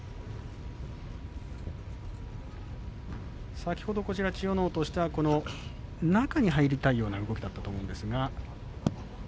先ほど千代ノ皇としては中に入りたいような動きだったと思いますが。